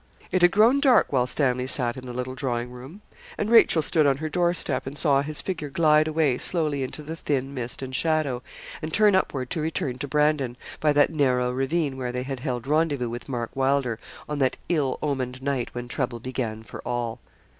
It had grown dark while Stanley sat in the little drawing room, and Rachel stood on her doorstep, and saw his figure glide away slowly into the thin mist and shadow, and turn upward to return to Brandon, by that narrow ravine where they had held rendezvous with Mark Wylder, on that ill omened night when trouble began for all.